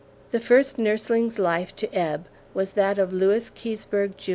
The first nursling's life to ebb was that of Lewis Keseberg, Jr.